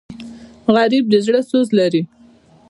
غریب د زړه سوز لري